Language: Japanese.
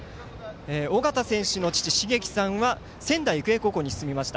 尾形選手の父、しげきさんは仙台育英高校に進みました。